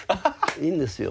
いいんですよ。